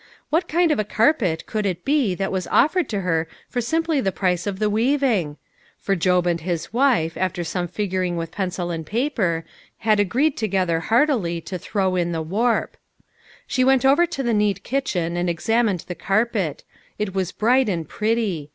What kind of a car pet could it be that was offered to her for simply the price of the weaving ? for Job and his wife after some figuring with pencil and paper, had agreed together heartily to throw in the warp. HOW IT SUCCEEDED. Ill She went over to the neat kitchen and examined the carpet. It was bright and pretty.